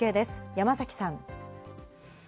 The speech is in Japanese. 山崎さん。